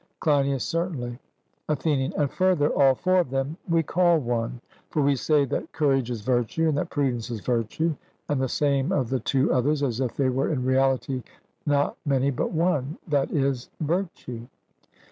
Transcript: CLEINIAS: Certainly. ATHENIAN: And further, all four of them we call one; for we say that courage is virtue, and that prudence is virtue, and the same of the two others, as if they were in reality not many but one, that is, virtue.